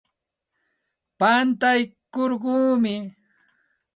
Pantaykurquumi.